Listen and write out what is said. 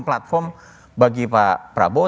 platform bagi pak prabowo